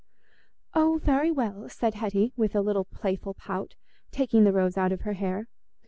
"Oh, very well," said Hetty, with a little playful pout, taking the rose out of her hair.